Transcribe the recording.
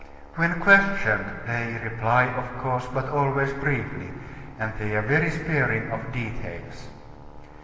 When questioned, they reply, of course, but always briefly; and they are very sparing of details.